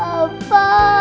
aku pengen papa